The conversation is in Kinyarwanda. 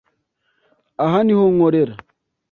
Aha niho nkorera.